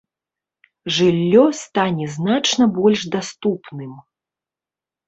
Жыллё стане значна больш даступным.